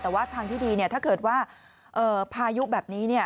แต่ว่าทางที่ดีถ้าเกิดว่าพายุแบบนี้